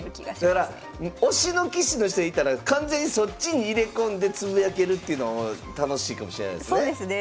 だから推しの棋士の人いたら完全にそっちに入れ込んでつぶやけるっていうのも楽しいかもしれないですね。